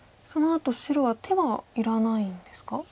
そのあと白は手はいらないんですか？